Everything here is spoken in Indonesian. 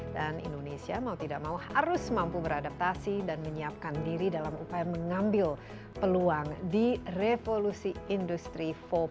dan indonesia mau tidak mau harus mampu beradaptasi dan menyiapkan diri dalam upaya mengambil peluang di revolusi industri empat